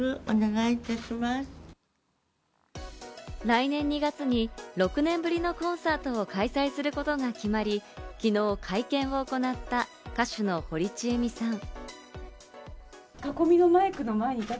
来年２月に６年ぶりのコンサートを開催することが決まり、昨日会見を行った歌手の堀ちえみさん。